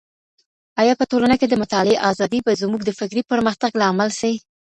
آيا په ټولنه کي د مطالعې ازادي به زموږ د فکري پرمختګ لامل سي؟